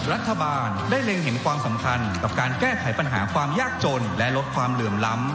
รัฐบาลได้เล็งเห็นความสำคัญกับการแก้ไขปัญหาความยากจนและลดความเหลื่อมล้ำ